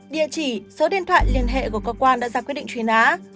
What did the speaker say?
địa chỉ số điện thoại liên hệ của cơ quan đã ra quyết định trùy ná